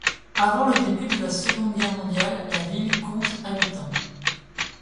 Avant le début de la Seconde Guerre mondiale, la ville compte habitants.